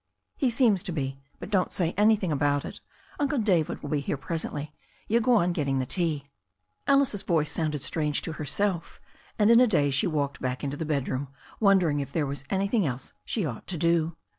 "He seems to be. But don't say an3rthing about it. Uncle David will be here presently. You go on getting the tea." Alice's voice sounded strange to herself, and in a daze she walked back into the bedroom, wondering if there was anything else she ought to do.